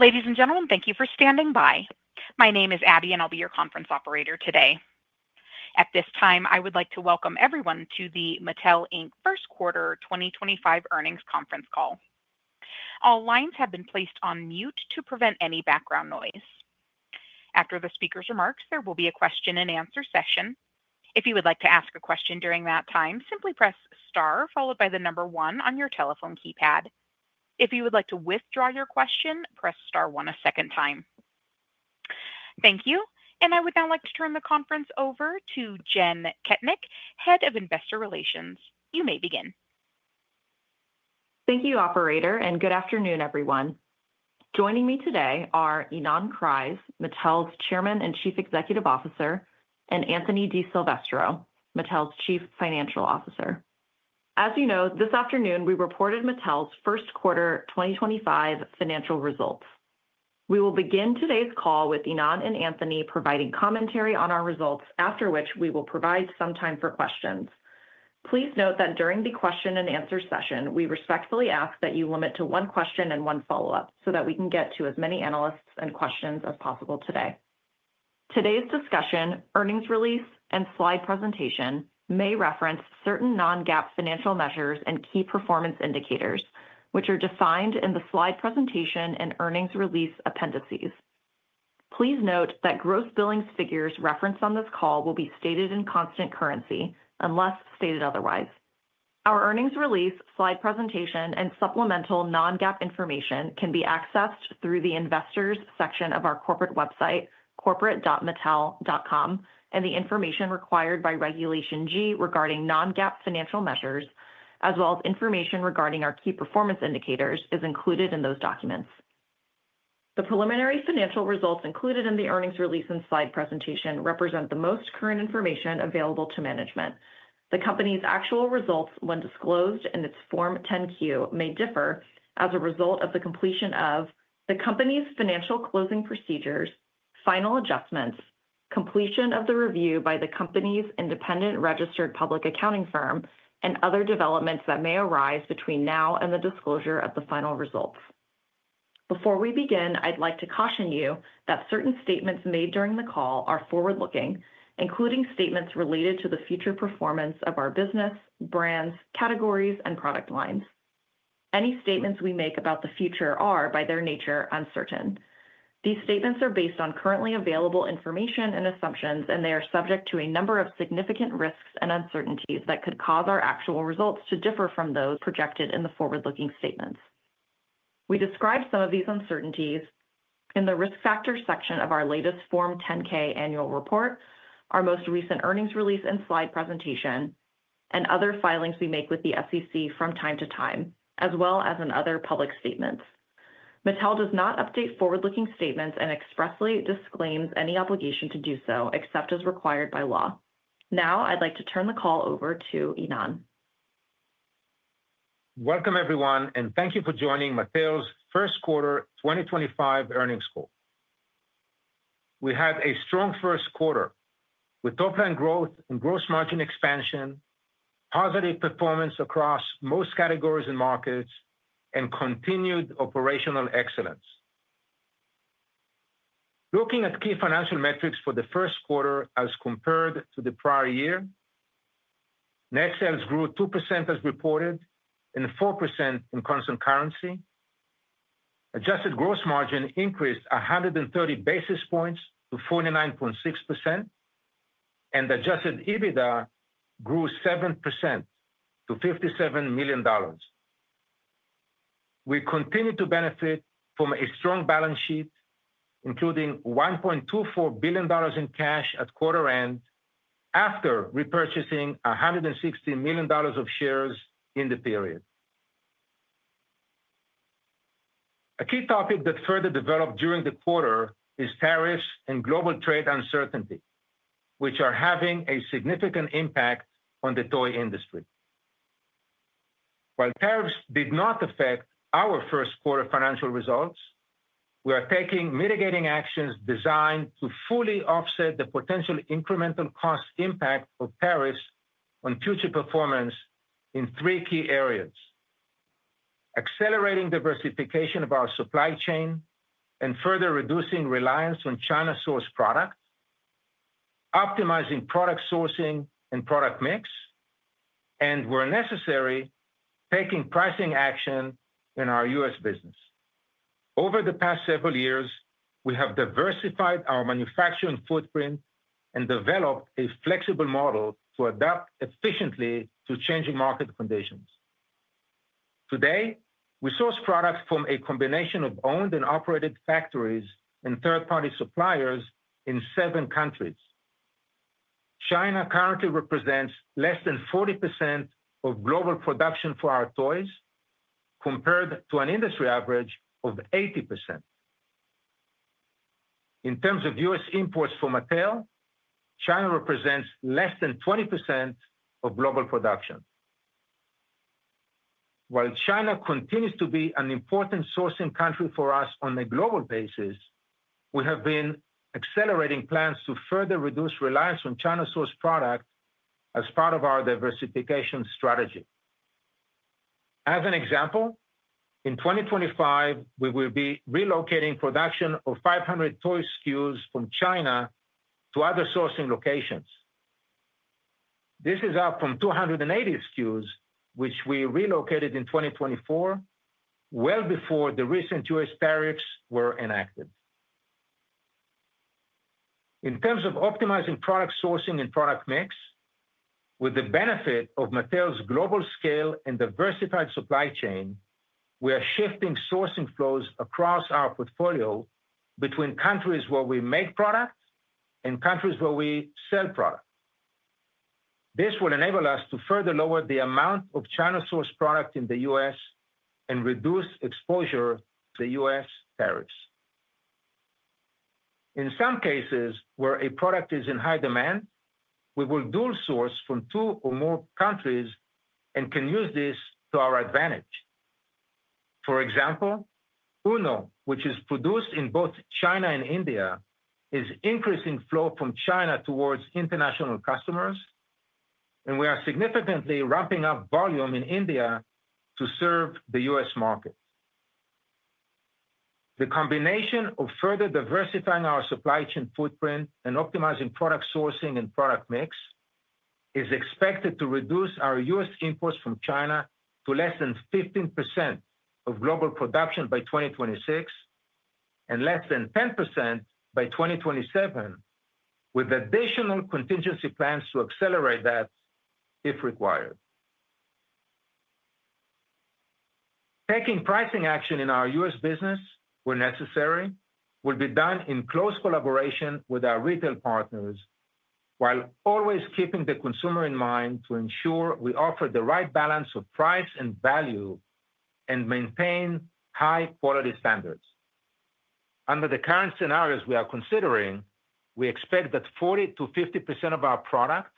Ladies and gentlemen, thank you for standing by. My name is Abby, and I'll be your conference operator today. At this time, I would like to welcome everyone to the Mattel First Quarter 2025 earnings conference call. All lines have been placed on mute to prevent any background noise. After the speaker's remarks, there will be a question-and-answer session. If you would like to ask a question during that time, simply press star followed by the number one on your telephone keypad. If you would like to withdraw your question, press star one a second time. Thank you. I would now like to turn the conference over to Jenn Kettnich, Head of Investor Relations. You may begin. Thank you, Operator, and good afternoon, everyone. Joining me today are Ynon Kreiz, Mattel's Chairman and Chief Executive Officer, and Anthony DiSilvestro, Mattel's Chief Financial Officer. As you know, this afternoon we reported Mattel's first quarter 2025 financial results. We will begin today's call with Ynon and Anthony providing commentary on our results, after which we will provide some time for questions. Please note that during the question-and-answer session, we respectfully ask that you limit to one question and one follow-up so that we can get to as many analysts' questions as possible today. Today's discussion, earnings release, and slide presentation may reference certain non-GAAP financial measures and key performance indicators, which are defined in the slide presentation and earnings release appendices. Please note that gross billings figures referenced on this call will be stated in constant currency unless stated otherwise. Our earnings release, slide presentation, and supplemental non-GAAP information can be accessed through the Investors section of our corporate website, corporate.mattel.com, and the information required by Regulation G regarding non-GAAP financial measures, as well as information regarding our key performance indicators, is included in those documents. The preliminary financial results included in the earnings release and slide presentation represent the most current information available to management. The company's actual results, when disclosed in its Form 10-Q, may differ as a result of the completion of the company's financial closing procedures, final adjustments, completion of the review by the company's independent registered public accounting firm, and other developments that may arise between now and the disclosure of the final results. Before we begin, I'd like to caution you that certain statements made during the call are forward-looking, including statements related to the future performance of our business, brands, categories, and product lines. Any statements we make about the future are, by their nature, uncertain. These statements are based on currently available information and assumptions, and they are subject to a number of significant risks and uncertainties that could cause our actual results to differ from those projected in the forward-looking statements. We describe some of these uncertainties in the risk factor section of our latest Form 10-K annual report, our most recent earnings release and slide presentation, and other filings we make with the SEC from time to time, as well as in other public statements. Mattel does not update forward-looking statements and expressly disclaims any obligation to do so except as required by law. Now, I'd like to turn the call over to Ynon. Welcome, everyone, and thank you for joining Mattel's First Quarter 2025 earnings call. We had a strong first quarter with top-line growth and gross margin expansion, positive performance across most categories and markets, and continued operational excellence. Looking at key financial metrics for the first quarter as compared to the prior year, net sales grew 2% as reported and 4% in constant currency. Adjusted gross margin increased 130 basis points to 49.6%, and adjusted EBITDA grew 7% to $57 million. We continue to benefit from a strong balance sheet, including $1.24 billion in cash at quarter-end after repurchasing $160 million of shares in the period. A key topic that further developed during the quarter is tariffs and global trade uncertainty, which are having a significant impact on the toy industry. While tariffs did not affect our first quarter financial results, we are taking mitigating actions designed to fully offset the potential incremental cost impact of tariffs on future performance in three key areas: accelerating diversification of our supply chain and further reducing reliance on China-sourced products, optimizing product sourcing and product mix, and, where necessary, taking pricing action in our U.S. business. Over the past several years, we have diversified our manufacturing footprint and developed a flexible model to adapt efficiently to changing market conditions. Today, we source products from a combination of owned and operated factories and third-party suppliers in seven countries. China currently represents less than 40% of global production for our toys, compared to an industry average of 80%. In terms of U.S. imports for Mattel, China represents less than 20% of global production. While China continues to be an important sourcing country for us on a global basis, we have been accelerating plans to further reduce reliance on China-sourced products as part of our diversification strategy. As an example, in 2025, we will be relocating production of 500 toy SKUs from China to other sourcing locations. This is up from 280 SKUs, which we relocated in 2024, well before the recent U.S. tariffs were enacted. In terms of optimizing product sourcing and product mix, with the benefit of Mattel's global scale and diversified supply chain, we are shifting sourcing flows across our portfolio between countries where we make products and countries where we sell products. This will enable us to further lower the amount of China-sourced products in the U.S. and reduce exposure to U.S. tariffs. In some cases where a product is in high demand, we will dual-source from two or more countries and can use this to our advantage. For example, UNO, which is produced in both China and India, is increasing flow from China towards international customers, and we are significantly ramping up volume in India to serve the U.S. market. The combination of further diversifying our supply chain footprint and optimizing product sourcing and product mix is expected to reduce our U.S. imports from China to less than 15% of global production by 2026 and less than 10% by 2027, with additional contingency plans to accelerate that if required. Taking pricing action in our U.S. business, where necessary, will be done in close collaboration with our retail partners, while always keeping the consumer in mind to ensure we offer the right balance of price and value and maintain high-quality standards. Under the current scenarios we are considering, we expect that 40%-50% of our product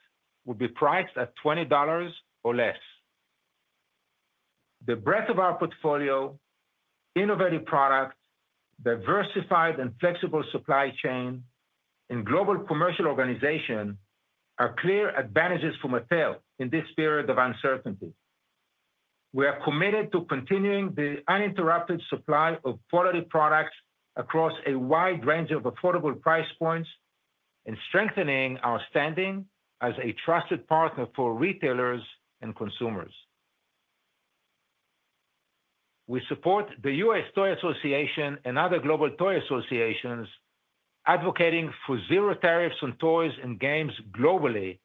will be priced at $20 or less. The breadth of our portfolio, innovative product, diversified and flexible supply chain, and global commercial organization are clear advantages for Mattel in this period of uncertainty. We are committed to continuing the uninterrupted supply of quality products across a wide range of affordable price points and strengthening our standing as a trusted partner for retailers and consumers. We support the U.S. Toy Association and other global toy associations advocating for zero tariffs on toys and games globally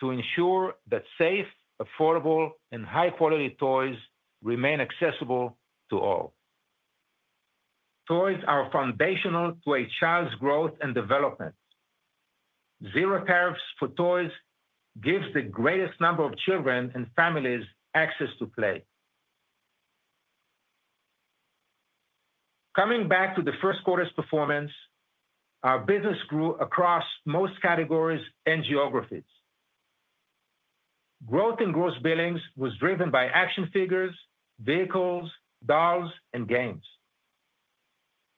to ensure that safe, affordable, and high-quality toys remain accessible to all. Toys are foundational to a child's growth and development. Zero tariffs for toys give the greatest number of children and families access to play. Coming back to the first quarter's performance, our business grew across most categories and geographies. Growth in gross billings was driven by action figures, vehicles, dolls, and games.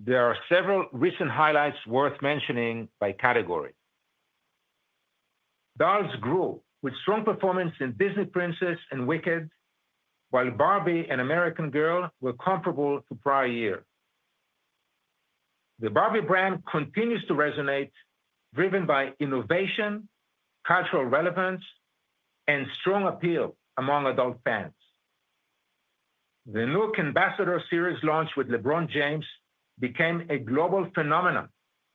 There are several recent highlights worth mentioning by category. Dolls grew with strong performance in Disney Princess and Wicked, while Barbie and American Girl were comparable to prior years. The Barbie brand continues to resonate, driven by innovation, cultural relevance, and strong appeal among adult fans. The new UNO Ambassador series launched with LeBron James became a global phenomenon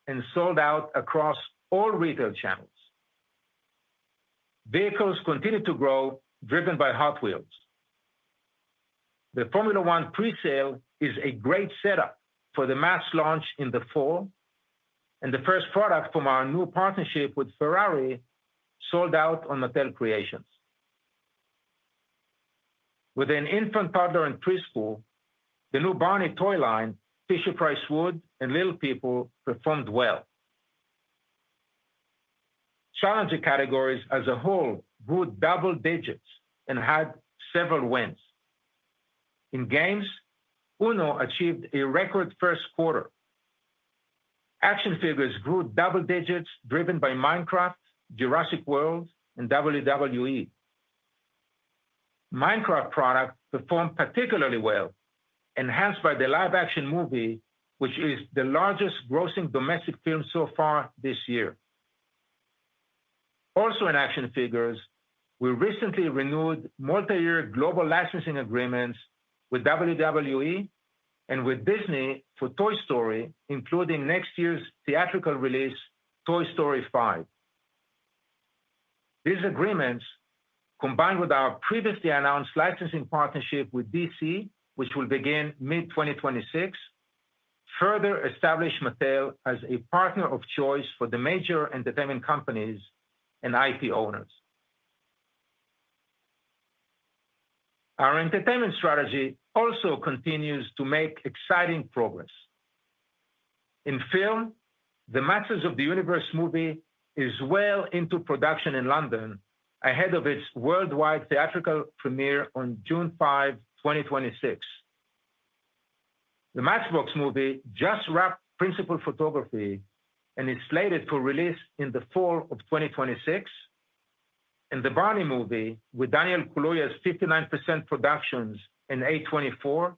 and sold out across all retail channels. Vehicles continue to grow, driven by Hot Wheels. The Formula 1 pre-sale is a great setup for the mass launch in the fall, and the first product from our new partnership with Ferrari sold out on Mattel Creations. With an infant toddler in preschool, the new Barney toy line, Fisher-Price Wood, and Little People performed well. Challenger categories as a whole grew double digits and had several wins. In games, Uno achieved a record first quarter. Action figures grew double digits, driven by Minecraft, Jurassic World, and WWE. Minecraft product performed particularly well, enhanced by the live-action movie, which is the largest grossing domestic film so far this year. Also, in action figures, we recently renewed multi-year global licensing agreements with WWE and with Disney for Toy Story, including next year's theatrical release, Toy Story 5. These agreements, combined with our previously announced licensing partnership with DC, which will begin mid-2026, further establish Mattel as a partner of choice for the major entertainment companies and IP owners. Our entertainment strategy also continues to make exciting progress. In film, the Masters of the Universe movie is well into production in London ahead of its worldwide theatrical premiere on June 5, 2026. The Matchbox movie just wrapped principal photography and is slated for release in the fall of 2026, and the Barney movie with Daniel Kaluuya's 59% Productions and A24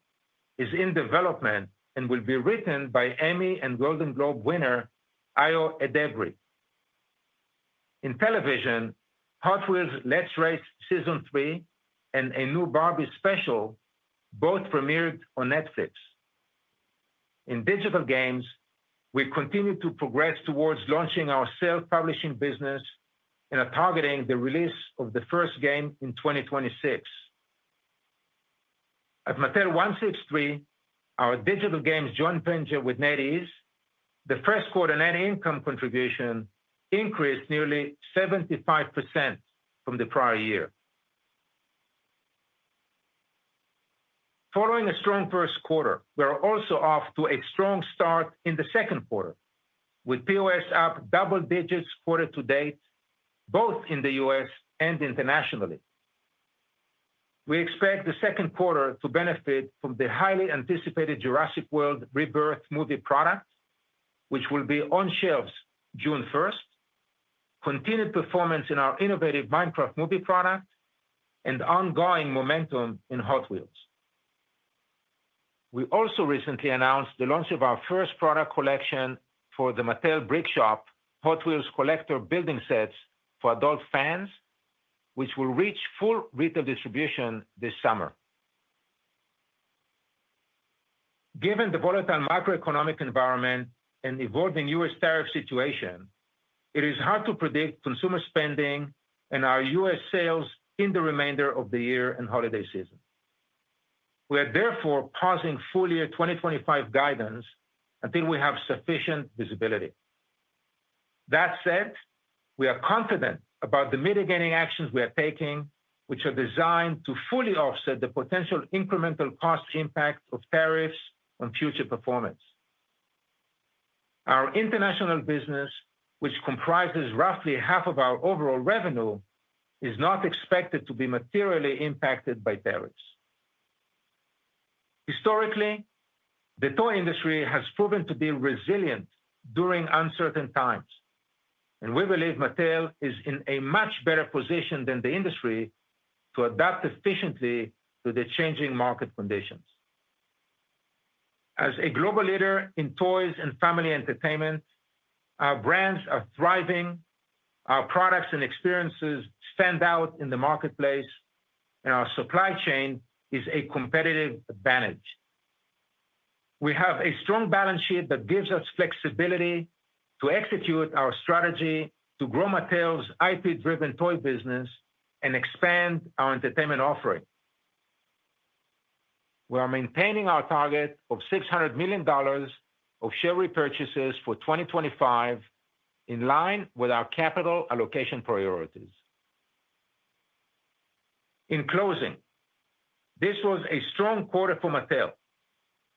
is in development and will be written by Emmy and Golden Globe winner Ayo Edebiri. In television, Hot Wheels Let's Race Season 3 and a new Barbie special both premiered on Netflix. In digital games, we continue to progress towards launching our self-publishing business and are targeting the release of the first game in 2026. At Mattel163, our digital games joint venture with NetEase, the first quarter net income contribution increased nearly 75% from the prior year. Following a strong first quarter, we are also off to a strong start in the second quarter, with POS up double digits quarter to date, both in the U.S. and internationally. We expect the second quarter to benefit from the highly anticipated Jurassic World Rebirth movie product, which will be on shelves June 1 2025, continued performance in our innovative Minecraft movie product, and ongoing momentum in Hot Wheels. We also recently announced the launch of our first product collection for the Mattel Brick Shop Hot Wheels collector building sets for adult fans, which will reach full retail distribution this summer. Given the volatile macroeconomic environment and evolving U.S. tariff situation, it is hard to predict consumer spending and our U.S. sales in the remainder of the year and holiday season. We are therefore pausing full year 2025 guidance until we have sufficient visibility. That said, we are confident about the mitigating actions we are taking, which are designed to fully offset the potential incremental cost impact of tariffs on future performance. Our international business, which comprises roughly half of our overall revenue, is not expected to be materially impacted by tariffs. Historically, the toy industry has proven to be resilient during uncertain times, and we believe Mattel is in a much better position than the industry to adapt efficiently to the changing market conditions. As a global leader in toys and family entertainment, our brands are thriving, our products and experiences stand out in the marketplace, and our supply chain is a competitive advantage. We have a strong balance sheet that gives us flexibility to execute our strategy to grow Mattel's IP-driven toy business and expand our entertainment offering. We are maintaining our target of $600 million of share repurchases for 2025 in line with our capital allocation priorities. In closing, this was a strong quarter for Mattel,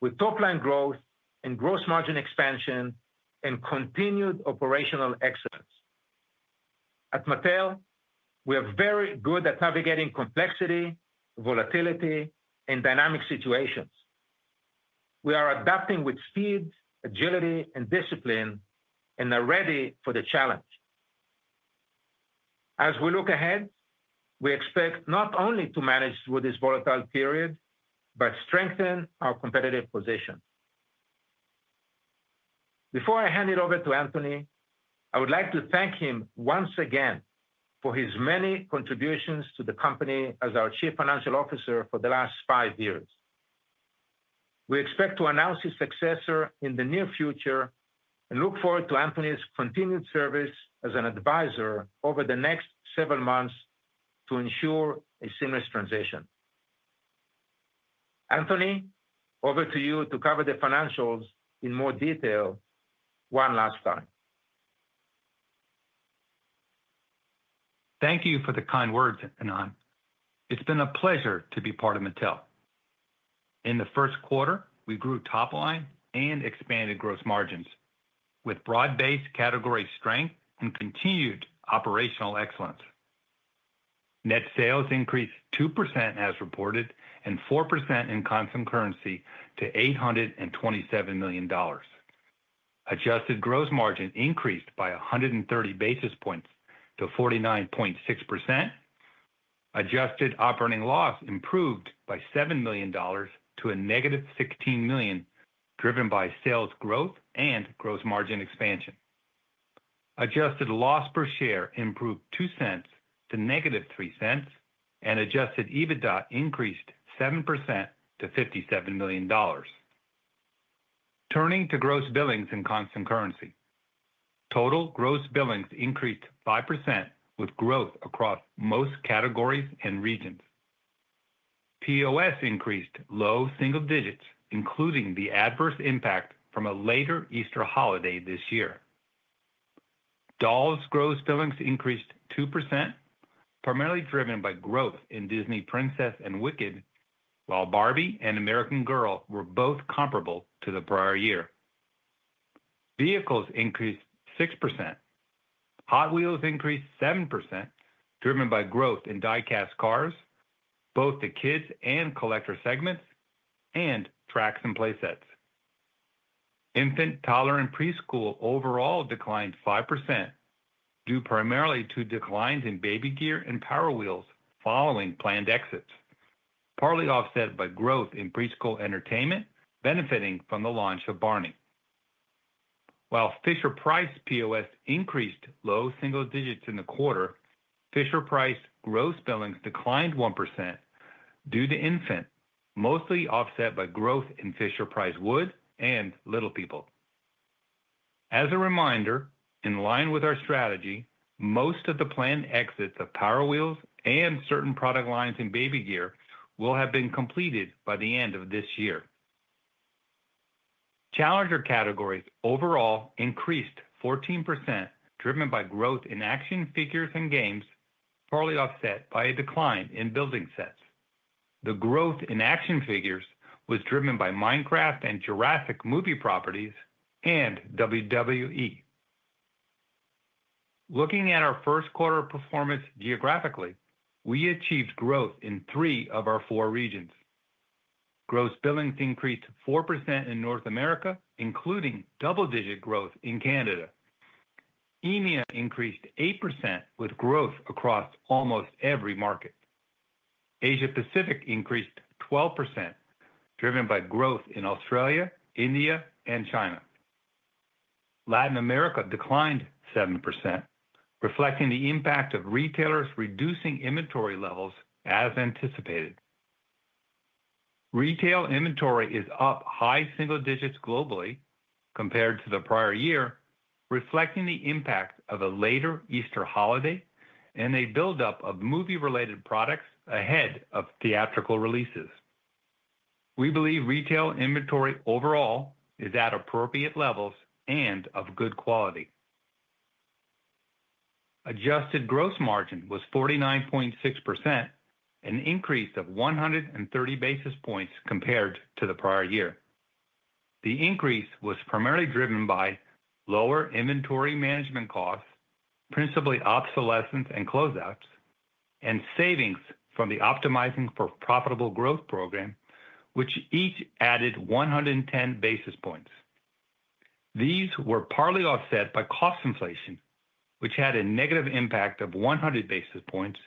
with top-line growth and gross margin expansion and continued operational excellence. At Mattel, we are very good at navigating complexity, volatility, and dynamic situations. We are adapting with speed, agility, and discipline, and are ready for the challenge. As we look ahead, we expect not only to manage through this volatile period, but strengthen our competitive position. Before I hand it over to Anthony, I would like to thank him once again for his many contributions to the company as our Chief Financial Officer for the last five years. We expect to announce his successor in the near future and look forward to Anthony's continued service as an advisor over the next several months to ensure a seamless transition. Anthony, over to you to cover the financials in more detail one last time. Thank you for the kind words, Ynon. It's been a pleasure to be part of Mattel. In the first quarter, we grew top-line and expanded gross margins with broad-based category strength and continued operational excellence. Net sales increased 2% as reported and 4% in constant currency to $827 million. Adjusted gross margin increased by 130 basis points to 49.6%. Adjusted operating loss improved by $7 million to a - $16 million, driven by sales growth and gross margin expansion. Adjusted loss per share improved 2 cents to negative 3 cents, and adjusted EBITDA increased 7% to $57 million. Turning to gross billings in constant currency, total gross billings increased 5% with growth across most categories and regions. POS increased low single digits, including the adverse impact from a later Easter holiday this year. Dolls gross billings increased 2%, primarily driven by growth in Disney Princess and Wicked, while Barbie and American Girl were both comparable to the prior year. Vehicles increased 6%. Hot Wheels increased 7%, driven by growth in die-cast cars, both the kids and collector segments, and tracks and playsets. Infant toddler and preschool overall declined 5%, due primarily to declines in baby gear and Power Wheels following planned exits, partly offset by growth in preschool entertainment benefiting from the launch of Barney. While Fisher-Price POS increased low single digits in the quarter, Fisher-Price gross billings declined 1% due to infant, mostly offset by growth in Fisher-Price Wood and Little People. As a reminder, in line with our strategy, most of the planned exits of Power Wheels and certain product lines in baby gear will have been completed by the end of this year. Challenger categories overall increased 14%, driven by growth in action figures and games, partly offset by a decline in building sets. The growth in action figures was driven by Minecraft and Jurassic movie properties and WWE. Looking at our first quarter performance geographically, we achieved growth in three of our four regions. Gross billings increased 4% in North America, including double-digit growth in Canada. EMEA increased 8% with growth across almost every market. Asia-Pacific increased 12%, driven by growth in Australia, India, and China. Latin America declined 7%, reflecting the impact of retailers reducing inventory levels as anticipated. Retail inventory is up high single digits globally compared to the prior year, reflecting the impact of a later Easter holiday and a build-up of movie-related products ahead of theatrical releases. We believe retail inventory overall is at appropriate levels and of good quality. Adjusted gross margin was 49.6%, an increase of 130 basis points compared to the prior year. The increase was primarily driven by lower inventory management costs, principally obsolescence and closeouts, and savings from the Optimizing for Profitable Growth program, which each added 110 basis points. These were partly offset by cost inflation, which had a negative impact of 100 basis points,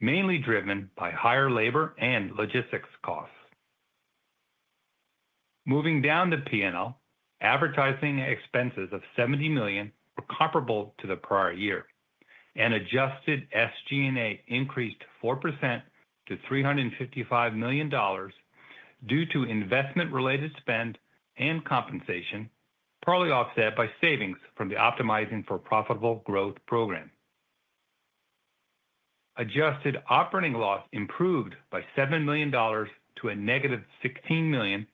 mainly driven by higher labor and logistics costs. Moving down the P&L, advertising expenses of $70 million were comparable to the prior year, and adjusted SG&A increased 4% to $355 million due to investment-related spend and compensation, partly offset by savings from the Optimizing for Profitable Growth program. Adjusted operating loss improved by $7 million to a - $16 million,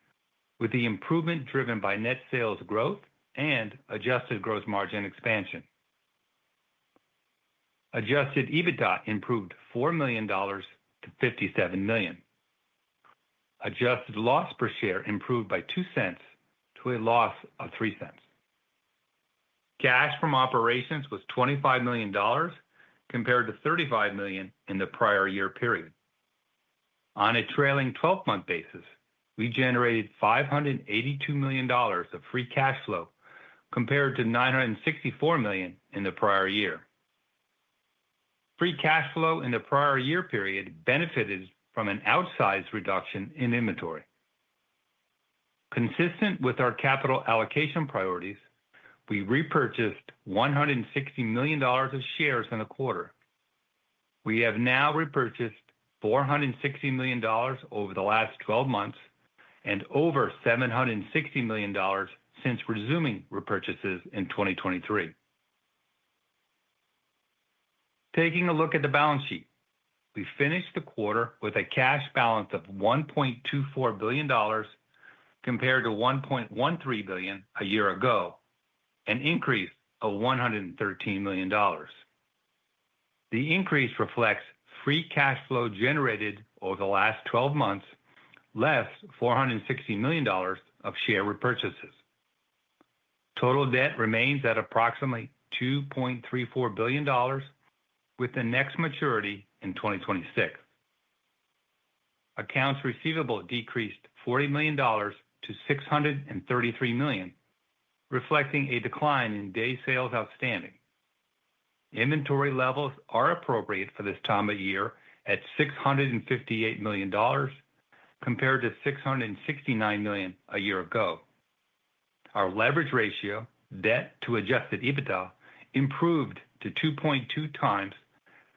with the improvement driven by net sales growth and adjusted gross margin expansion. Adjusted EBITDA improved $4 million-$57 million. Adjusted loss per share improved by $0.02 to a loss of $0.03. Cash from operations was $25 million compared to $35 million in the prior year period. On a trailing 12-month basis, we generated $582 million of free cash flow compared to $964 million in the prior year. Free cash flow in the prior year period benefited from an outsized reduction in inventory. Consistent with our capital allocation priorities, we repurchased $160 million of shares in the quarter. We have now repurchased $460 million over the last 12 months and over $760 million since resuming repurchases in 2023. Taking a look at the balance sheet, we finished the quarter with a cash balance of $1.24 billion compared to $1.13 billion a year ago, an increase of $113 million. The increase reflects free cash flow generated over the last 12 months, less $460 million of share repurchases. Total debt remains at approximately $2.34 billion, with the next maturity in 2026. Accounts receivable decreased $40 million to $633 million, reflecting a decline in days sales outstanding. Inventory levels are appropriate for this time of year at $658 million compared to $669 million a year ago. Our leverage ratio, debt to adjusted EBITDA, improved to 2.2x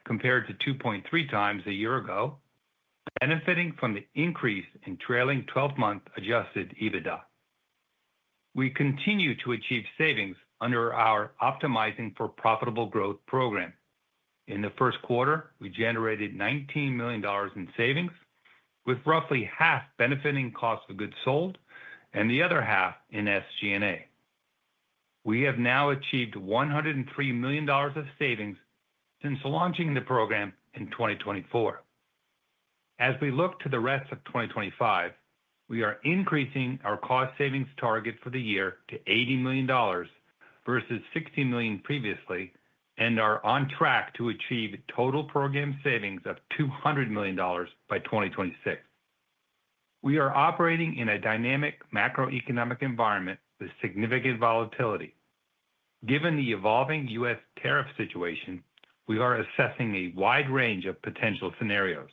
compared to 2.3x a year ago, benefiting from the increase in trailing 12-month adjusted EBITDA. We continue to achieve savings under our Optimizing for Profitable Growth program. In the first quarter, we generated $19 million in savings, with roughly half benefiting cost of goods sold and the other half in SG&A. We have now achieved $103 million of savings since launching the program in 2024. As we look to the rest of 2025, we are increasing our cost savings target for the year to $80 million versus $60 million previously and are on track to achieve total program savings of $200 million by 2026. We are operating in a dynamic macroeconomic environment with significant volatility. Given the evolving U.S. tariff situation, we are assessing a wide range of potential scenarios.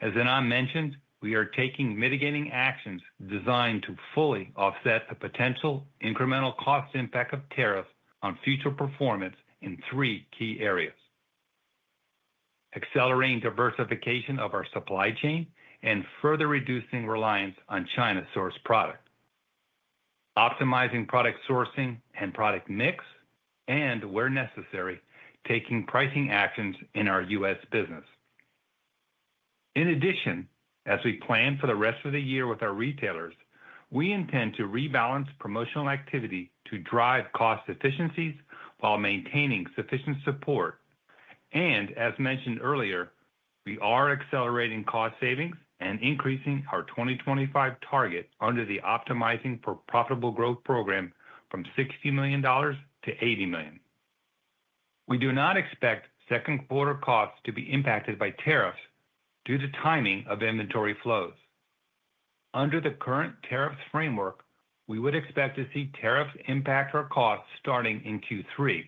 As Ynon mentioned, we are taking mitigating actions designed to fully offset the potential incremental cost impact of tariffs on future performance in three key areas: accelerating diversification of our supply chain and further reducing reliance on China-sourced product, optimizing product sourcing and product mix, and, where necessary, taking pricing actions in our U.S. business. In addition, as we plan for the rest of the year with our retailers, we intend to rebalance promotional activity to drive cost efficiencies while maintaining sufficient support. As mentioned earlier, we are accelerating cost savings and increasing our 2025 target under the Optimizing for Profitable Growth program from $60 million- $80 million. We do not expect second quarter costs to be impacted by tariffs due to timing of inventory flows. Under the current tariffs framework, we would expect to see tariffs impact our costs starting in Q3,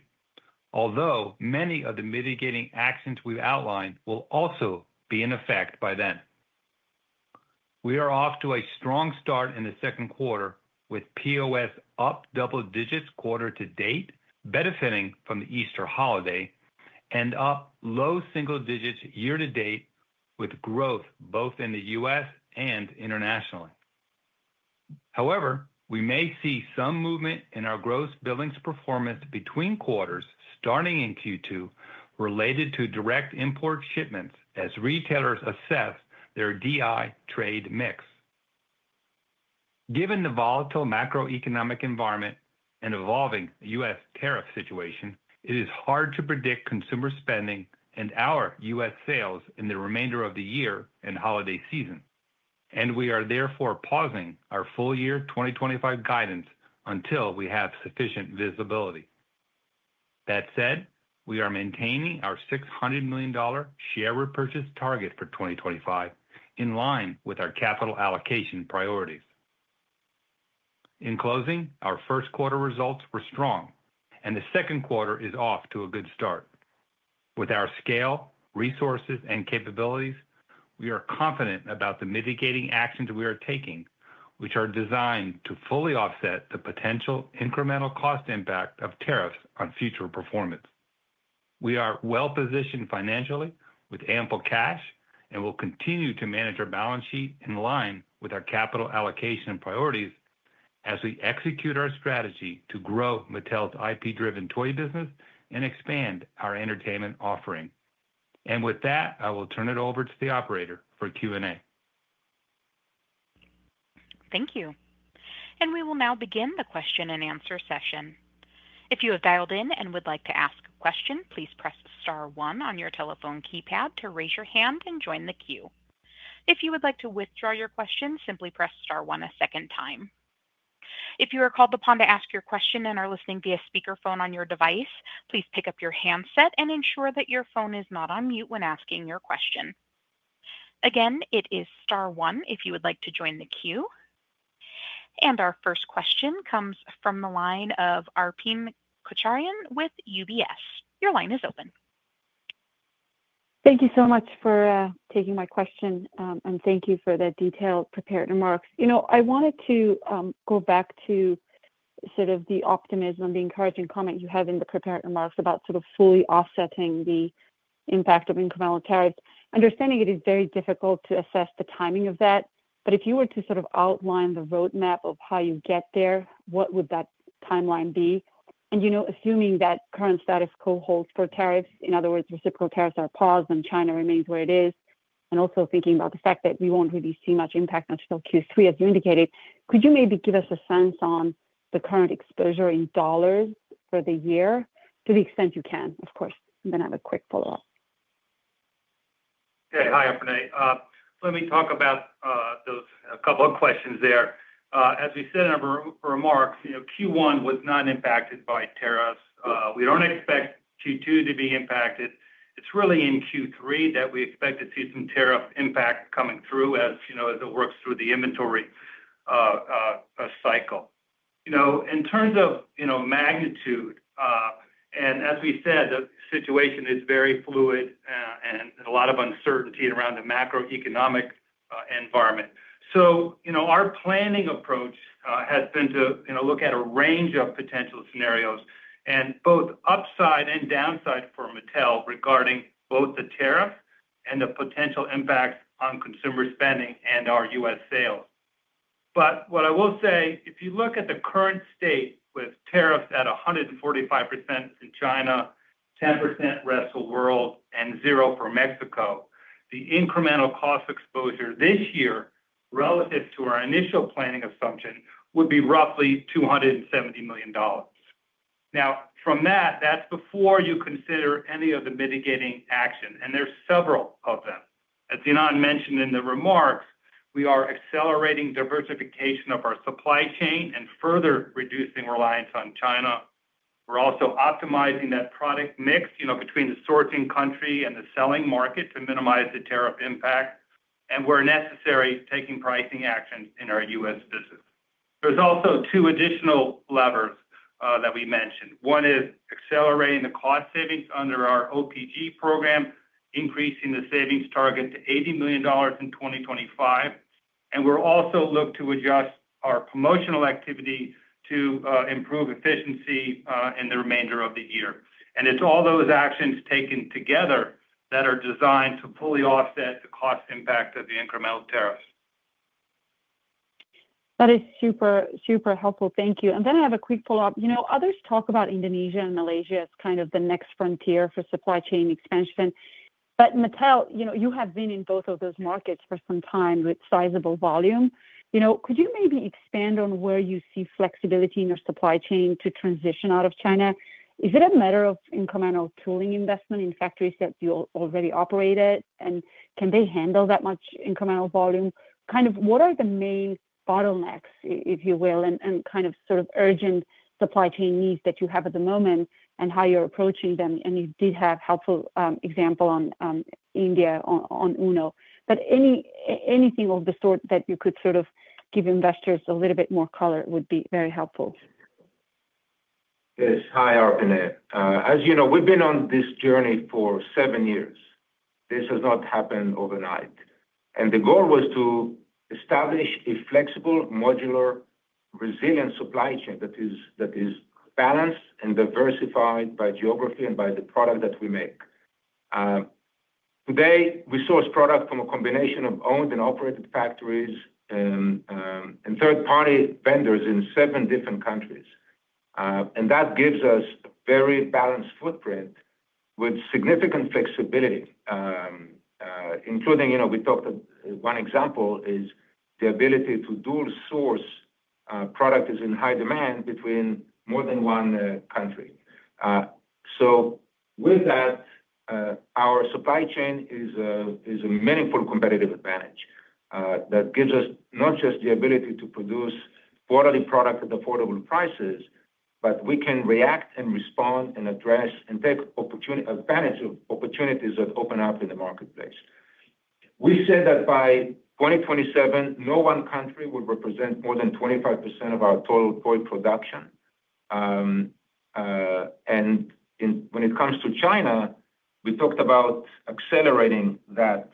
although many of the mitigating actions we've outlined will also be in effect by then. We are off to a strong start in the second quarter with POS up double digits quarter to date, benefiting from the Easter holiday, and up low single digits year to date, with growth both in the U.S. and internationally. However, we may see some movement in our gross billings performance between quarters starting in Q2 related to direct import shipments as retailers assess their DI trade mix. Given the volatile macroeconomic environment and evolving U.S. tariff situation, it is hard to predict consumer spending and our U.S. Sales in the remainder of the year and holiday season, and we are therefore pausing our full year 2025 guidance until we have sufficient visibility. That said, we are maintaining our $600 million share repurchase target for 2025 in line with our capital allocation priorities. In closing, our first quarter results were strong, and the second quarter is off to a good start. With our scale, resources, and capabilities, we are confident about the mitigating actions we are taking, which are designed to fully offset the potential incremental cost impact of tariffs on future performance. We are well-positioned financially with ample cash and will continue to manage our balance sheet in line with our capital allocation priorities as we execute our strategy to grow Mattel's IP-driven toy business and expand our entertainment offering. I will turn it over to the operator for Q&A. Thank you. We will now begin the question and answer session. If you have dialed in and would like to ask a question, please press star one on your telephone keypad to raise your hand and join the queue. If you would like to withdraw your question, simply press star one a second time. If you are called upon to ask your question and are listening via speakerphone on your device, please pick up your handset and ensure that your phone is not on mute when asking your question. Again, it is star one if you would like to join the queue. Our first question comes from the line of Arpine Kocharyan with UBS. Your line is open. Thank you so much for taking my question, and thank you for the detailed prepared remarks. You know, I wanted to go back to sort of the optimism, the encouraging comment you have in the prepared remarks about sort of fully offsetting the impact of incremental tariffs. Understanding it is very difficult to assess the timing of that, but if you were to sort of outline the roadmap of how you get there, what would that timeline be? You know, assuming that current status quo holds for tariffs, in other words, reciprocal tariffs are paused and China remains where it is, and also thinking about the fact that we won't really see much impact until Q3, as you indicated, could you maybe give us a sense on the current exposure in dollars for the year to the extent you can, of course, and then have a quick follow-up? Okay. Hi, Ynon. Let me talk about those a couple of questions there. As we said in our remarks, you know, Q1 was not impacted by tariffs. We do not expect Q2 to be impacted. It is really in Q3 that we expect to see some tariff impact coming through as, you know, as it works through the inventory cycle. You know, in terms of, you know, magnitude, and as we said, the situation is very fluid and a lot of uncertainty around the macroeconomic environment. You know, our planning approach has been to, you know, look at a range of potential scenarios and both upside and downside for Mattel regarding both the tariff and the potential impact on consumer spending and our U.S. sales. What I will say, if you look at the current state with tariffs at 145% in China, 10% rest of the world, and zero for Mexico, the incremental cost exposure this year relative to our initial planning assumption would be roughly $270 million. Now, from that, that's before you consider any of the mitigating action, and there's several of them. As Ynon mentioned in the remarks, we are accelerating diversification of our supply chain and further reducing reliance on China. We're also optimizing that product mix, you know, between the sourcing country and the selling market to minimize the tariff impact, and where necessary, taking pricing actions in our U.S. business. There's also two additional levers that we mentioned. One is accelerating the cost savings under our OPG program, increasing the savings target to $80 million in 2025, and we're also looking to adjust our promotional activity to improve efficiency in the remainder of the year. It's all those actions taken together that are designed to fully offset the cost impact of the incremental tariffs. That is super, super helpful. Thank you. I have a quick follow-up. You know, others talk about Indonesia and Malaysia as kind of the next frontier for supply chain expansion, but Mattel, you know, you have been in both of those markets for some time with sizable volume. You know, could you maybe expand on where you see flexibility in your supply chain to transition out of China? Is it a matter of incremental tooling investment in factories that you already operate at, and can they handle that much incremental volume? Kind of what are the main bottlenecks, if you will, and kind of sort of urgent supply chain needs that you have at the moment and how you're approaching them? You did have a helpful example on India on UNO, but anything of the sort that you could sort of give investors a little bit more color would be very helpful. Yes. Hi, Arpine. As you know, we've been on this journey for seven years. This has not happened overnight. The goal was to establish a flexible, modular, resilient supply chain that is balanced and diversified by geography and by the product that we make. Today, we source product from a combination of owned and operated factories and third-party vendors in seven different countries. That gives us a very balanced footprint with significant flexibility, including, you know, we talked of one example is the ability to dual source product that is in high demand between more than one country. With that, our supply chain is a meaningful competitive advantage that gives us not just the ability to produce quarterly product at affordable prices, but we can react and respond and address and take advantage of opportunities that open up in the marketplace. We said that by 2027, no one country would represent more than 25% of our total toy production. When it comes to China, we talked about accelerating that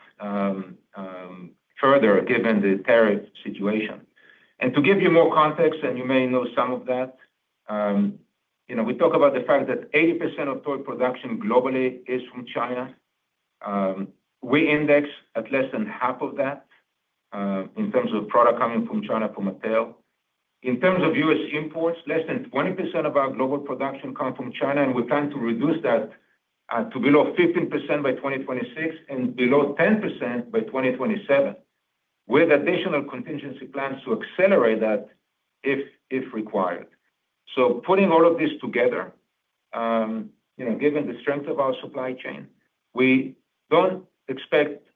further given the tariff situation. To give you more context, and you may know some of that, you know, we talk about the fact that 80% of toy production globally is from China. We index at less than half of that in terms of product coming from China for Mattel. In terms of U.S. imports, less than 20% of our global production comes from China, and we plan to reduce that to below 15% by 2026 and below 10% by 2027, with additional contingency plans to accelerate that if required. Putting all of this together, you know, given the strength of our supply chain, we do not expect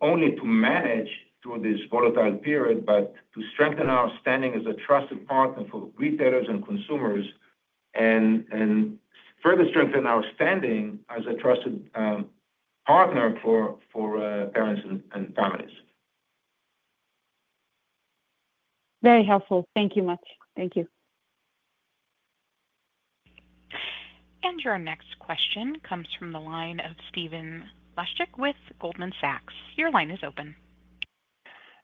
only to manage through this volatile period, but to strengthen our standing as a trusted partner for retailers and consumers and further strengthen our standing as a trusted partner for parents and families. Very helpful. Thank you much. Thank you. Your next question comes from the line of Stephen Laszczyk with Goldman Sachs. Your line is open.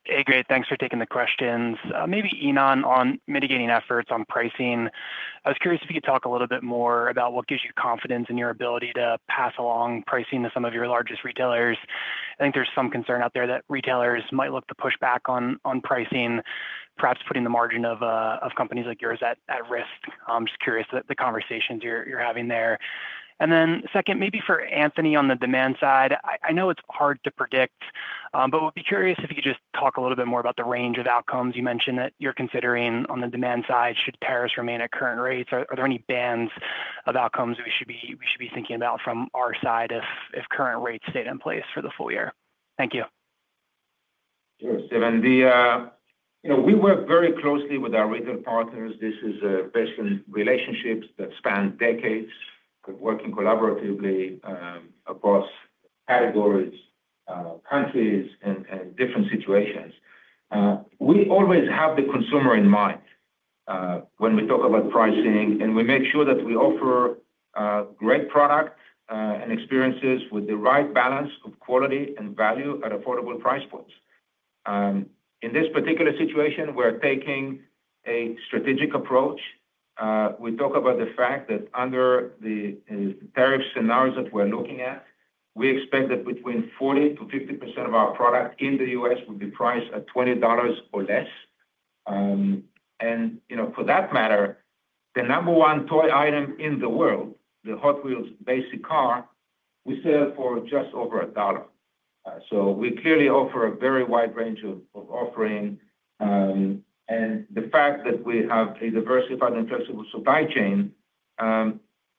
Hey, great. Thanks for taking the questions. Maybe Ynon on mitigating efforts on pricing. I was curious if you could talk a little bit more about what gives you confidence in your ability to pass along pricing to some of your largest retailers. I think there's some concern out there that retailers might look to push back on pricing, perhaps putting the margin of companies like yours at risk. I'm just curious about the conversations you're having there. Second, maybe for Anthony on the demand side, I know it's hard to predict, but I would be curious if you could just talk a little bit more about the range of outcomes you mentioned that you're considering on the demand side. Should tariffs remain at current rates? Are there any bands of outcomes we should be thinking about from our side if current rates stayed in place for the full year? Thank you. Sure. Steven, you know, we work very closely with our retail partners. This is a relationship that spans decades, working collaboratively across categories, countries, and different situations. We always have the consumer in mind when we talk about pricing, and we make sure that we offer great product and experiences with the right balance of quality and value at affordable price points. In this particular situation, we're taking a strategic approach. We talk about the fact that under the tariff scenarios that we're looking at, we expect that between 40%-50% of our product in the U.S. would be priced at $20 or less. You know, for that matter, the number one toy item in the world, the Hot Wheels basic car, we sell for just over a dollar. We clearly offer a very wide range of offering, and the fact that we have a diversified and flexible supply chain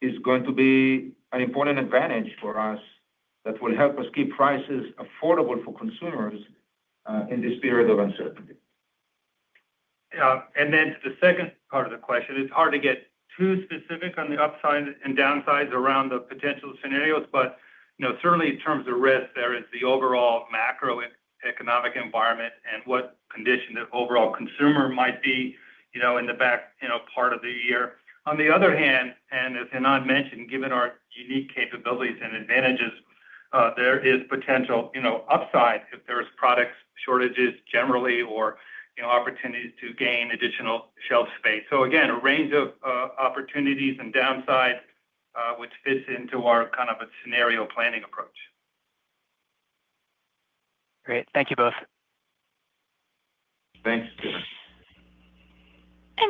is going to be an important advantage for us that will help us keep prices affordable for consumers in this period of uncertainty. Yeah. To the second part of the question, it's hard to get too specific on the upside and downsides around the potential scenarios, but, you know, certainly in terms of risk, there is the overall macroeconomic environment and what condition the overall consumer might be, you know, in the back, you know, part of the year. On the other hand, and as Ynon mentioned, given our unique capabilities and advantages, there is potential, you know, upside if there's product shortages generally or, you know, opportunities to gain additional shelf space. Again, a range of opportunities and downsides, which fits into our kind of a scenario planning approach. Great. Thank you both. Thanks, Stephen.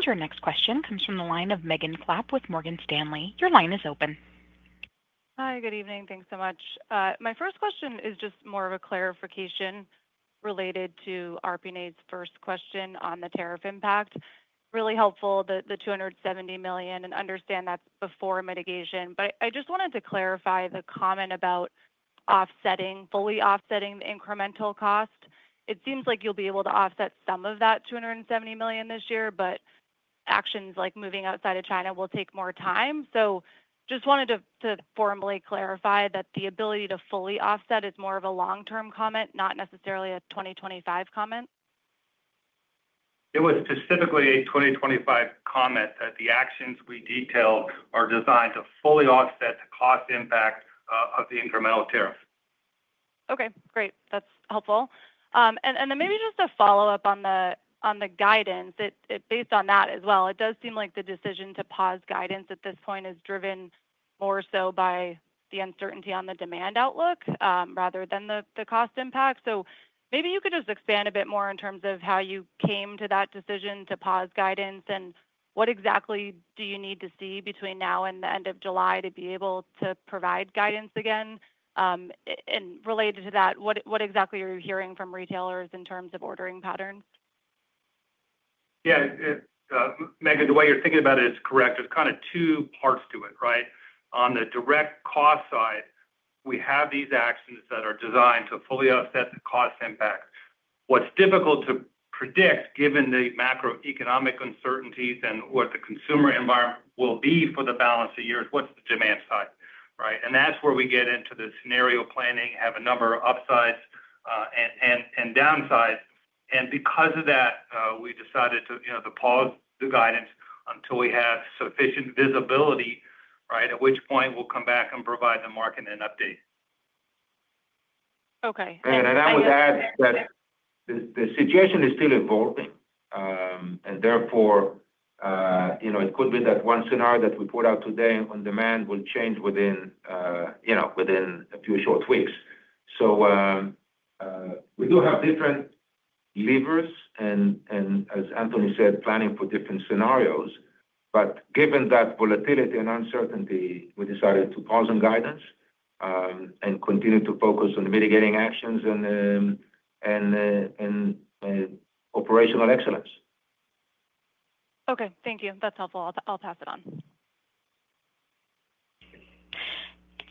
Your next question comes from the line of Megan Clapp with Morgan Stanley. Your line is open. Hi, good evening. Thanks so much. My first question is just more of a clarification related to Arpine's first question on the tariff impact. Really helpful that the $270 million and understand that's before mitigation, but I just wanted to clarify the comment about offsetting, fully offsetting the incremental cost. It seems like you'll be able to offset some of that $270 million this year, but actions like moving outside of China will take more time. Just wanted to formally clarify that the ability to fully offset is more of a long-term comment, not necessarily a 2025 comment. It was specifically a 2025 comment that the actions we detailed are designed to fully offset the cost impact of the incremental tariffs. Okay. Great. That's helpful. Maybe just a follow-up on the guidance, based on that as well, it does seem like the decision to pause guidance at this point is driven more so by the uncertainty on the demand outlook rather than the cost impact. Maybe you could just expand a bit more in terms of how you came to that decision to pause guidance and what exactly do you need to see between now and the end of July to be able to provide guidance again? Related to that, what exactly are you hearing from retailers in terms of ordering patterns? Yeah. Megan, the way you're thinking about it is correct. There's kind of two parts to it, right? On the direct cost side, we have these actions that are designed to fully offset the cost impact. What's difficult to predict, given the macroeconomic uncertainties and what the consumer environment will be for the balance of years, what's the demand side, right? That's where we get into the scenario planning, have a number of upsides and downsides. Because of that, we decided to, you know, to pause the guidance until we have sufficient visibility, right, at which point we'll come back and provide the market an update. Okay. I would add that the situation is still evolving, and therefore, you know, it could be that one scenario that we put out today on demand will change within, you know, within a few short weeks. We do have different levers and, as Anthony said, planning for different scenarios. Given that volatility and uncertainty, we decided to pause on guidance and continue to focus on mitigating actions and operational excellence. Okay. Thank you. That's helpful. I'll pass it on.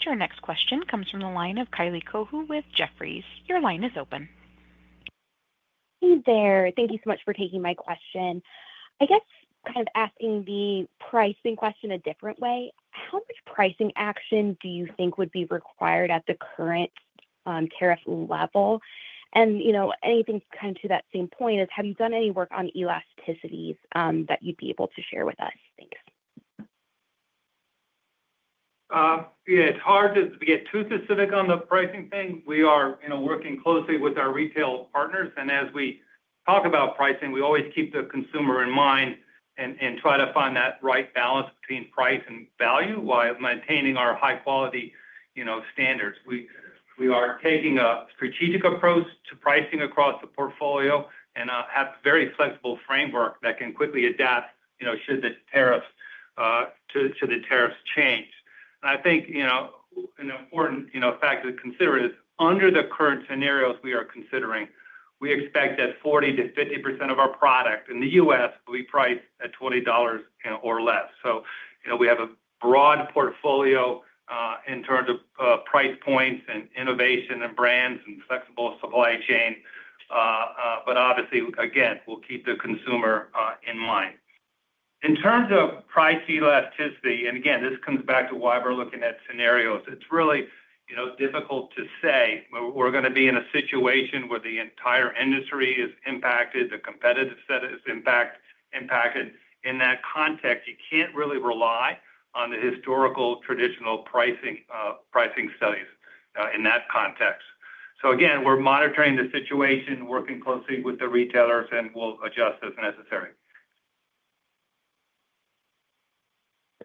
Your next question comes from the line of Kylie Cohu with Jefferies. Your line is open. Hey there. Thank you so much for taking my question. I guess kind of asking the pricing question a different way. How much pricing action do you think would be required at the current tariff level? And, you know, anything kind of to that same point is, have you done any work on elasticities that you'd be able to share with us? Thanks. Yeah. It's hard to get too specific on the pricing thing. We are, you know, working closely with our retail partners, and as we talk about pricing, we always keep the consumer in mind and try to find that right balance between price and value while maintaining our high-quality, you know, standards. We are taking a strategic approach to pricing across the portfolio and have a very flexible framework that can quickly adapt, you know, should the tariffs change. I think, you know, an important, you know, factor to consider is under the current scenarios we are considering, we expect that 40%-50% of our product in the U.S. will be priced at $20 or less. You know, we have a broad portfolio in terms of price points and innovation and brands and flexible supply chain, but obviously, again, we'll keep the consumer in mind. In terms of price elasticity, and again, this comes back to why we're looking at scenarios, it's really, you know, difficult to say we're going to be in a situation where the entire industry is impacted, the competitive set is impacted. In that context, you can't really rely on the historical traditional pricing studies in that context. Again, we're monitoring the situation, working closely with the retailers, and we'll adjust as necessary.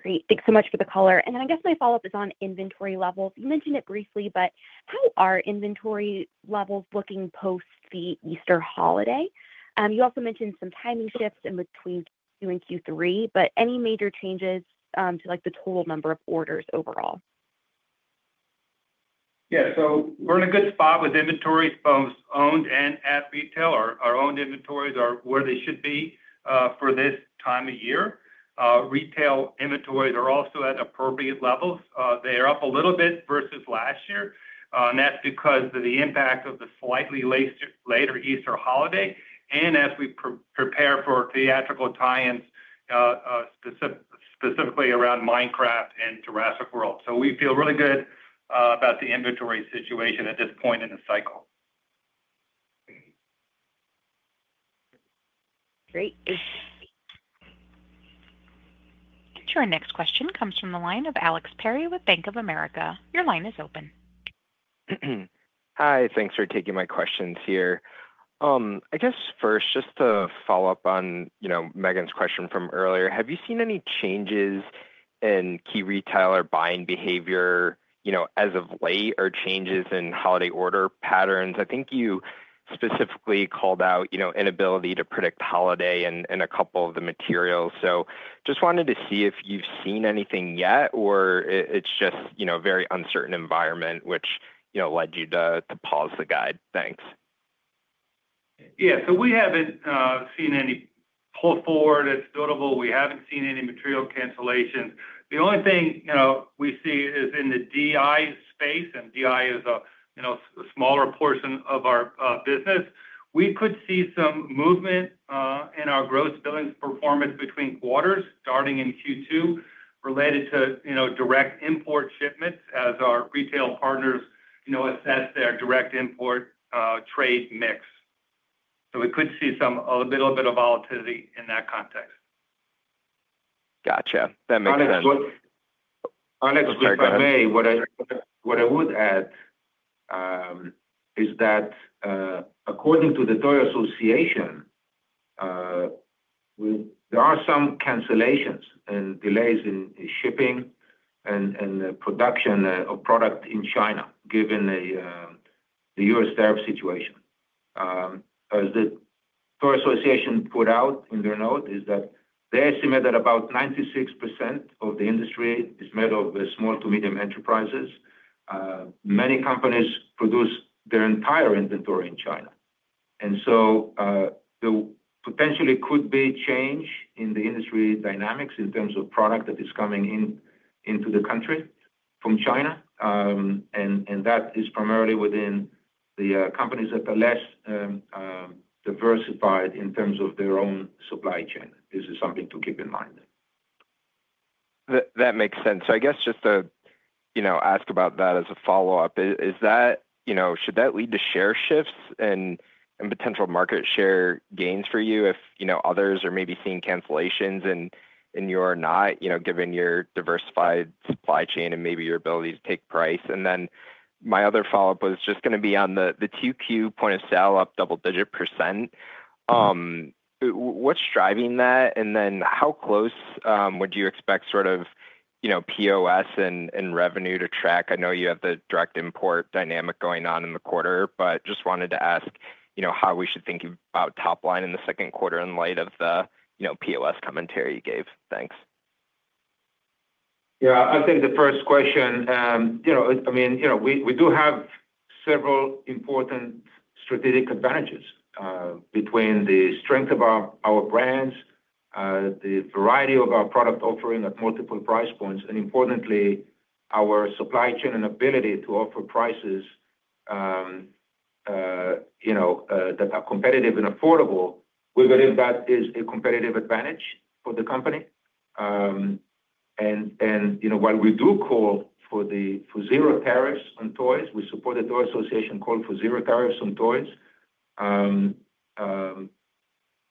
Great. Thanks so much for the color. I guess my follow-up is on inventory levels. You mentioned it briefly, but how are inventory levels looking post the Easter holiday? You also mentioned some timing shifts in between Q2 and Q3, but any major changes to, like, the total number of orders overall? Yeah. We're in a good spot with inventories both owned and at retail. Our owned inventories are where they should be for this time of year. Retail inventories are also at appropriate levels. They are up a little bit versus last year, and that's because of the impact of the slightly later Easter holiday and as we prepare for theatrical tie-ins, specifically around Minecraft and Jurassic World. We feel really good about the inventory situation at this point in the cycle. Great. Your next question comes from the line of Alex Perry with Bank of America. Your line is open. Hi. Thanks for taking my questions here. I guess first, just to follow up on, you know, Megan's question from earlier, have you seen any changes in key retailer buying behavior, you know, as of late or changes in holiday order patterns? I think you specifically called out, you know, inability to predict holiday in a couple of the materials. Just wanted to see if you've seen anything yet or it's just, you know, a very uncertain environment, which, you know, led you to pause the guide. Thanks. Yeah. We haven't seen any pull forward. It's notable. We haven't seen any material cancellations. The only thing, you know, we see is in the DI space, and DI is a, you know, smaller portion of our business. We could see some movement in our gross billings performance between quarters starting in Q2 related to, you know, direct import shipments as our retail partners, you know, assess their direct import trade mix. We could see a little bit of volatility in that context. Gotcha. That makes sense. Our next question, if I may, what I would add is that according to the Toy Association, there are some cancellations and delays in shipping and production of product in China given the U.S. tariff situation. As the Toy Association put out in their note, they estimate that about 96% of the industry is made of small to medium enterprises. Many companies produce their entire inventory in China. There potentially could be change in the industry dynamics in terms of product that is coming into the country from China, and that is primarily within the companies that are less diversified in terms of their own supply chain. This is something to keep in mind. That makes sense. I guess just to, you know, ask about that as a follow-up, is that, you know, should that lead to share shifts and potential market share gains for you if, you know, others are maybe seeing cancellations and you're not, you know, given your diversified supply chain and maybe your ability to take price? My other follow-up was just going to be on the Q2 point of sale up double-digit %. What's driving that? How close would you expect sort of, you know, POS and revenue to track? I know you have the direct import dynamic going on in the quarter, but just wanted to ask, you know, how we should think about top line in the second quarter in light of the, you know, POS commentary you gave. Thanks. Yeah. I think the first question, you know, I mean, you know, we do have several important strategic advantages between the strength of our brands, the variety of our product offering at multiple price points, and importantly, our supply chain and ability to offer prices, you know, that are competitive and affordable. We believe that is a competitive advantage for the company. You know, while we do call for zero tariffs on toys, we support the Toy Association call for zero tariffs on toys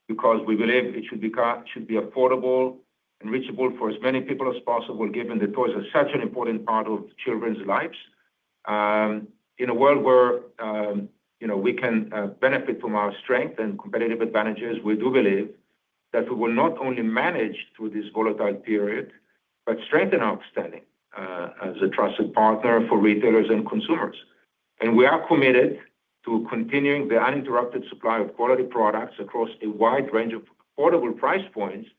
because we believe it should be affordable and reachable for as many people as possible, given that toys are such an important part of children's lives. In a world where, you know, we can benefit from our strength and competitive advantages, we do believe that we will not only manage through this volatile period, but strengthen our standing as a trusted partner for retailers and consumers. We are committed to continuing the uninterrupted supply of quality products across a wide range of affordable price points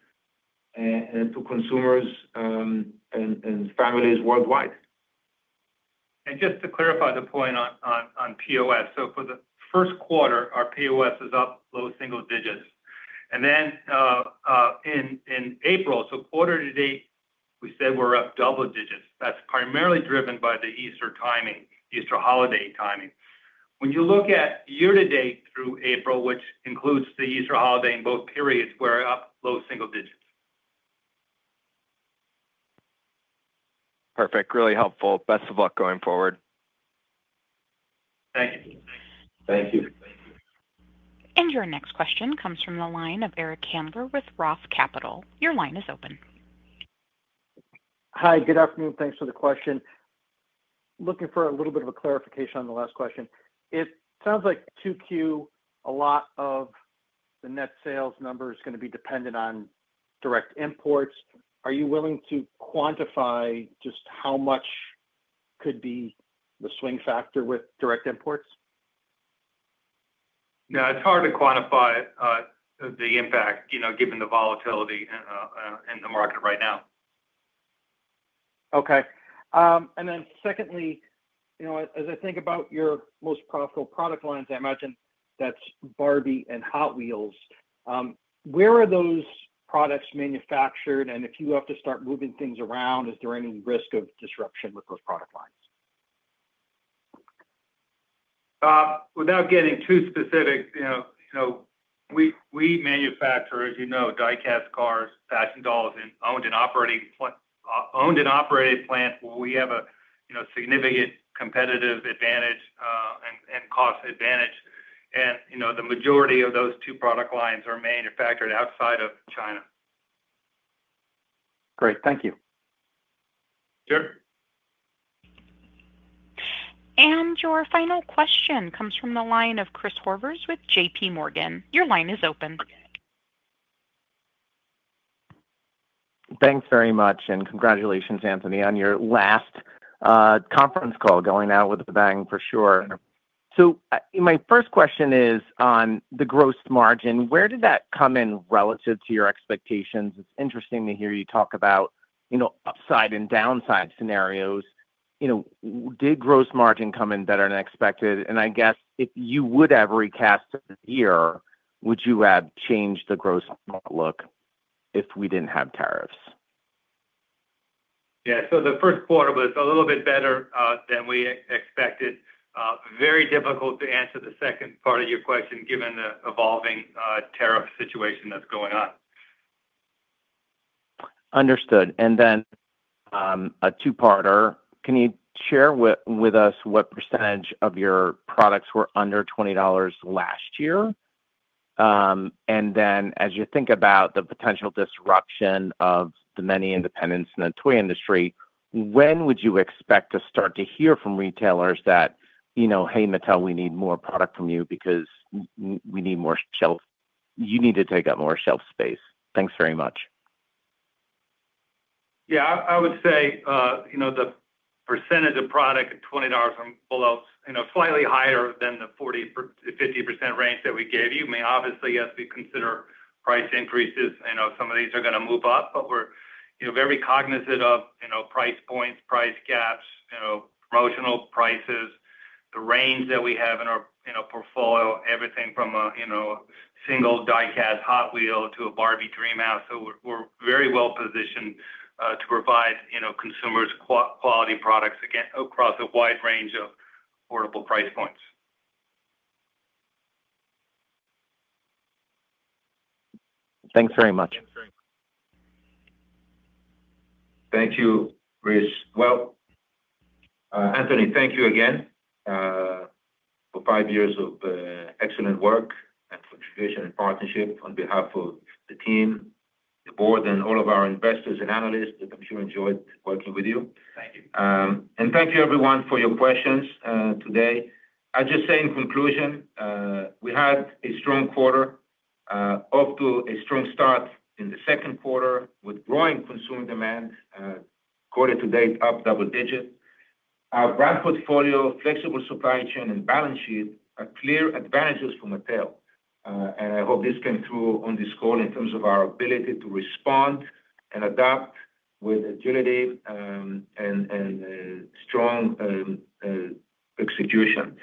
to consumers and families worldwide. Just to clarify the point on POS, for the first quarter, our POS is up low single digits. In April, quarter to date, we said we are up double digits. That is primarily driven by the Easter timing, Easter holiday timing. When you look at year to date through April, which includes the Easter holiday in both periods, we are up low single digits. Perfect. Really helpful. Best of luck going forward. Thank you. Thank you. Your next question comes from the line of Eric Handler with Roth Capital. Your line is open. Hi. Good afternoon. Thanks for the question. Looking for a little bit of a clarification on the last question. It sounds like Q2, a lot of the net sales number is going to be dependent on direct imports. Are you willing to quantify just how much could be the swing factor with direct imports? Yeah. It's hard to quantify the impact, you know, given the volatility in the market right now. Okay. And then secondly, you know, as I think about your most profitable product lines, I imagine that's Barbie and Hot Wheels. Where are those products manufactured? And if you have to start moving things around, is there any risk of disruption with those product lines? Without getting too specific, you know, we manufacture, as you know, die-cast cars, fashion dolls, and owned and operated plants. We have a, you know, significant competitive advantage and cost advantage. And, you know, the majority of those two product lines are manufactured outside of China. Great. Thank you. Sure. Your final question comes from the line of Chris Horvers with JP Morgan. Your line is open. Thanks very much. Congratulations, Anthony, on your last conference call going out with the bang, for sure. My first question is on the gross margin. Where did that come in relative to your expectations? It's interesting to hear you talk about, you know, upside and downside scenarios. You know, did gross margin come in better than expected? I guess if you would have recast the year, would you have changed the gross outlook if we didn't have tariffs? Yeah. The first quarter was a little bit better than we expected. Very difficult to answer the second part of your question given the evolving tariff situation that's going on. Understood. A two-parter. Can you share with us what percentage of your products were under $20 last year? As you think about the potential disruption of the many independents in the toy industry, when would you expect to start to hear from retailers that, you know, "Hey, Mattel, we need more product from you because we need more shelf. You need to take up more shelf space." Thanks very much. Yeah. I would say, you know, the percentage of product at $20 and below, you know, slightly higher than the 40%-50% range that we gave you may obviously, yes, we consider price increases. You know, some of these are going to move up, but we're, you know, very cognizant of, you know, price points, price gaps, you know, promotional prices, the range that we have in our, you know, portfolio, everything from a, you know, single die-cast Hot Wheels to a Barbie Dreamhouse. We're very well positioned to provide, you know, consumers quality products across a wide range of affordable price points. Thanks very much. Thank you, Chris. Anthony, thank you again for five years of excellent work and contribution and partnership on behalf of the team, the board, and all of our investors and analysts. I'm sure I enjoyed working with you. Thank you. Thank you, everyone, for your questions today. I'll just say in conclusion, we had a strong quarter, up to a strong start in the second quarter with growing consumer demand, quarter to date up double digits. Our brand portfolio, flexible supply chain, and balance sheet are clear advantages for Mattel. I hope this came through on this call in terms of our ability to respond and adapt with agility and strong execution.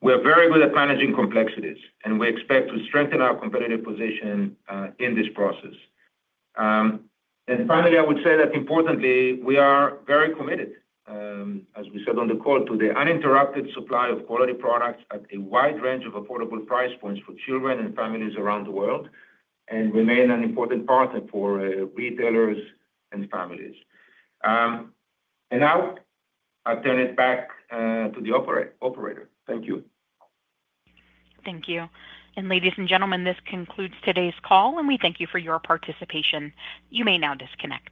We are very good at managing complexities, and we expect to strengthen our competitive position in this process. Finally, I would say that importantly, we are very committed, as we said on the call, to the uninterrupted supply of quality products at a wide range of affordable price points for children and families around the world and remain an important partner for retailers and families. Now I'll turn it back to the operator. Thank you. Thank you. Ladies and gentlemen, this concludes today's call, and we thank you for your participation. You may now disconnect.